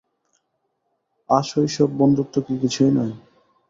আশৈশব বন্ধুত্ব কি কিছুই নয়।